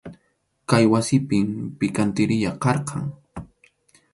Kay wasipim pikantiriya karqan.